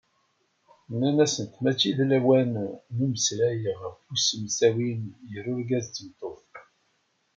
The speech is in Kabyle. Nnan-asent mačči d lawan n umeslay ɣef usemsawi gar urgaz d tmeṭṭut.